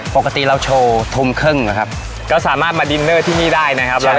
ปกติเราโชว์ทุ่มครึ่งนะครับก็สามารถมาดินเนอร์ที่นี่ได้นะครับ